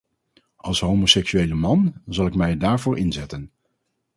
Als homoseksuele man zal ik mij daarvoor inzetten.